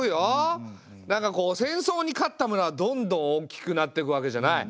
なんかこう戦争に勝ったムラはどんどん大きくなってくわけじゃない。